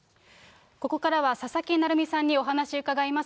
ここからは佐々木成三さんにお話伺います。